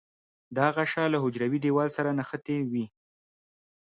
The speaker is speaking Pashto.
دا غشا له حجروي دیوال سره نښتې وي.